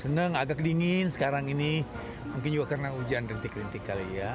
seneng agak dingin sekarang ini mungkin juga karena hujan rintik rintik kali ya